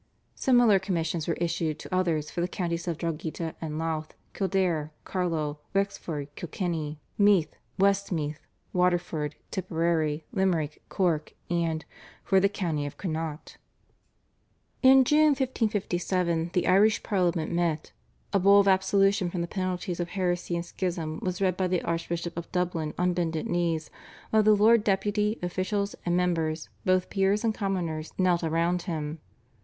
Similar commissions were issued to others for the counties of Drogheda and Louth, Kildare, Carlow, Wexford, Kilkenny, Meath, Westmeath, Waterford, Tipperary, Limerick, Cork, and "for the county of Connaught." In June 1557 the Irish Parliament met. A Bull of absolution from the penalties of heresy and schism was read by the Archbishop of Dublin on bended knees, while the Lord Deputy, officials, and members, both Peers and Commoners, knelt around him.